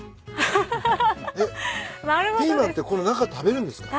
ピーマンってこの中食べるんですか？